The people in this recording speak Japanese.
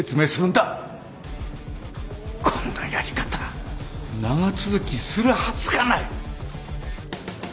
こんなやり方長続きするはずがない。